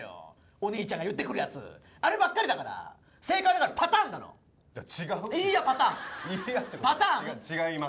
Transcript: お兄ちゃんが言ってくるやつあればっかりだから正解はパターンだろ違うっていいやパターンパターン展開違います